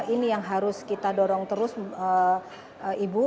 ini yang harus kita dorong terus ibu